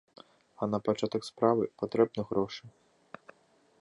А на пачатак справы патрэбны грошы.